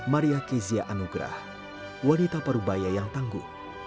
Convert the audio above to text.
maria kizia anugrah wanita parubaya yang tangguh